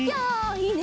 いいね！